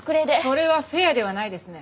それはフェアではないですね。